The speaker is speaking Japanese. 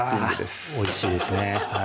あぁおいしいですね